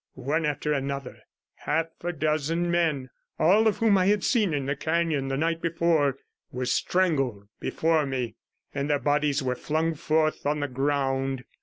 One after another half a dozen men, all of whom I had seen in the canon the night before, were strangled before me, and their bodies were flung forth on the ground.